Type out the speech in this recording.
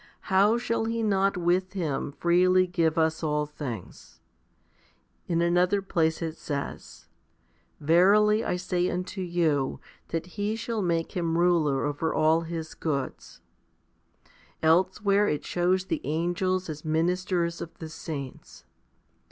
1 How shall He not with Him freely give us all things ? 2 In another place it says, Verily I say unto you that He shall make him ruler over all His goods* Elsewhere it shews the angels as ministers of the saints.